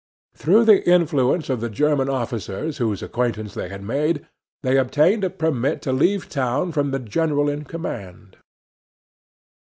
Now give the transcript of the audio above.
Through the influence of the German officers whose acquaintance they had made, they obtained a permit to leave town from the general in command.